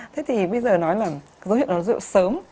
thế thì bây giờ nói là dấu hiệu đó dấu hiệu sớm